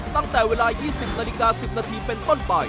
ตั้งแต่เวลา๒๐นาฬิกา๑๐นาทีเป็นต้นไป